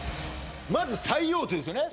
まず最大手ですよね